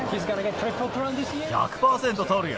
１００％とるよ。